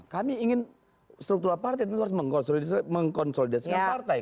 kami ingin struktural partai tentu harus mengkonsolidasikan partai